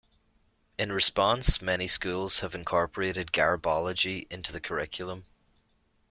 In response, many schools have incorporated garbology into the curriculum.